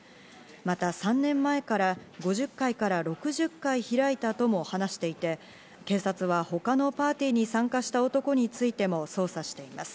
また３年前から５０回から６０回開いたとも話していて、警察は他のパーティーに参加した男についても捜査しています。